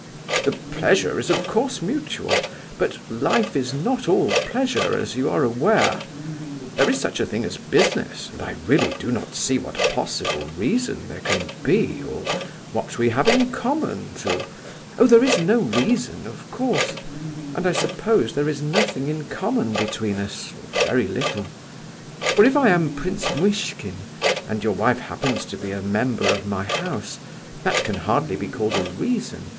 "The pleasure is, of course, mutual; but life is not all pleasure, as you are aware. There is such a thing as business, and I really do not see what possible reason there can be, or what we have in common to—" "Oh, there is no reason, of course, and I suppose there is nothing in common between us, or very little; for if I am Prince Muishkin, and your wife happens to be a member of my house, that can hardly be called a 'reason.